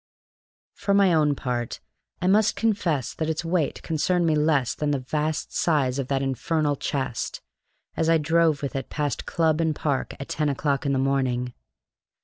For my own part, I must confess that its weight concerned me less than the vast size of that infernal chest, as I drove with it past club and park at ten o'clock in the morning.